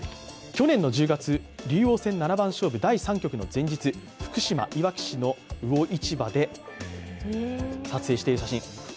去年の１０月、竜王戦七番勝負第３局の前日福島・いわき市の魚市場で撮影された写真。